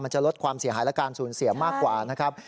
จะลดความเสียหายและการสูญเสียมากกว่านะครับ